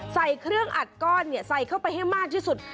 ใส่เครื่องอัดก้อนใส่เข้าไปให้มากที่สุด